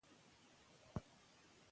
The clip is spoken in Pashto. دا موټر لوکس بلل کیږي.